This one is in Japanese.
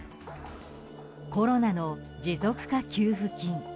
コロナの持続化給付金